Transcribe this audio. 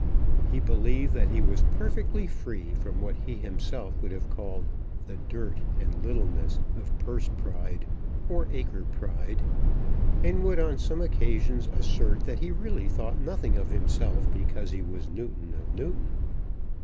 He believed that he was perfectly free from what he himself would have called the dirt and littleness of purse pride or acre pride, and would on some occasions assert that he really thought nothing of himself because he was Newton of Newton.